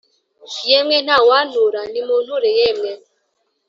yemwe ntawantura, nimunture yemwe !